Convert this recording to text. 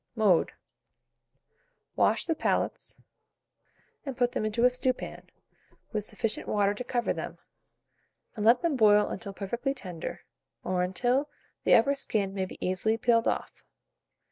Mode. Wash the palates, and put them into a stewpan, with sufficient water to cover them, and let them boil until perfectly tender, or until the upper skin may be easily peeled off.